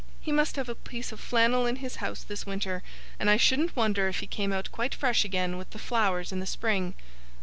'He must have a piece of flannel in his house this winter, and I shouldn't wonder if he came out quite fresh again, with the flowers in the spring.